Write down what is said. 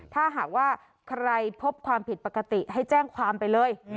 ถ้าหากว่าใครพบความผิดปกติให้แจ้งความไปเลย